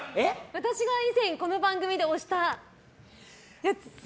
私が以前この番組で推したやつ